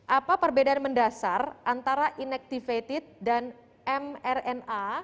apa perbedaan mendasar antara inactivated dan mrna